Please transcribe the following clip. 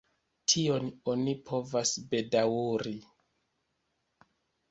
Tion oni povas bedaŭri.